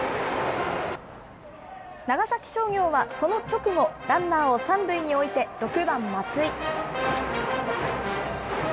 長崎商業はその直後、ランナーを３塁に置いて、６番松井。